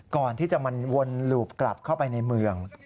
ก่อนที่จะมันวนหลูบกลับเข้าไปในเมือง